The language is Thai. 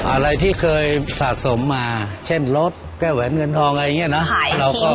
อะไรที่เคยสะสมมาเช่นรถแก้แหวนเงินทองอะไรอย่างนี้นะ